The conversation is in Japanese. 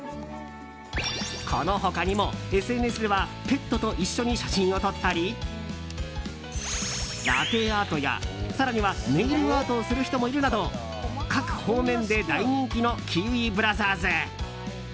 この他にも、ＳＮＳではペットと一緒に写真を撮ったりラテアートや、更にはネイルアートをする人もいるなど各方面で大人気のキウイブラザーズ。